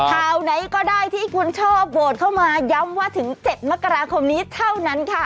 ข่าวไหนก็ได้ที่คุณชอบโหวตเข้ามาย้ำว่าถึง๗มกราคมนี้เท่านั้นค่ะ